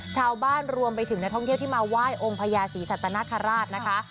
ชาวบ้านรวมไปถึงนักท่องเที่ยวที่มาไหว้องค์พญาศรีสัตนคราชนะคะ